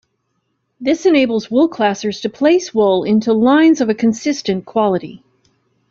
This enables wool classers to place wool into lines of a consistent quality.